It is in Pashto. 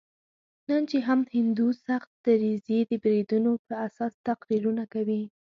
نن چې هم هندو سخت دریځي د بریدونو په اساس تقریرونه کوي.